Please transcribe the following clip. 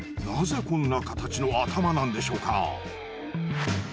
なぜこんな形の頭なんでしょうか。